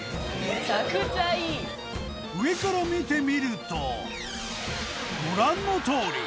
上から見てみるとご覧の通り！